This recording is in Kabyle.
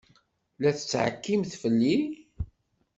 La tettɛekkimt fell-i?